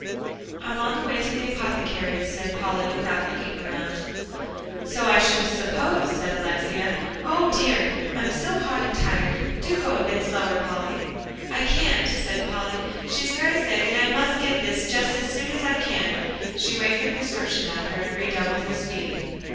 "I'm on the way to the apothecary's," said Polly, without looking around. "So I should suppose," said Alexia; "O, dear! I'm so hot and tired. Do go a bit slower, Polly." "I can't," said Polly. "She's very sick, and I must get this just as soon as I can." She waved the prescription at her, and redoubled her speed.